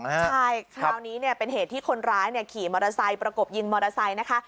ใช่คราวนี้เนี่ยเป็นเหตุที่คนร้ายขี่มอเตอร์ไซค์ประกบยิงมอเตอร์ไซค์นะคะ